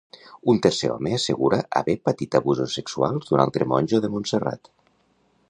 Un tercer home assegura haver patit abusos sexuals d'un altre monjo de Montserrat.